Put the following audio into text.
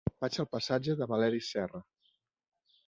Vaig al passatge de Valeri Serra.